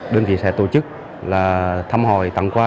đơn vị sẽ tổ chức là thăm hỏi tặng quà